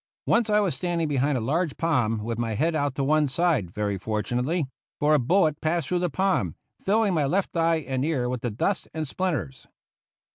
Once I was standing behind a large palm with my head out to one side, very fortunately; for a bullet passed through the palm, filling my left eye and ear with the dust and splinters.